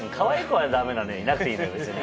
いなくていいのよ別に。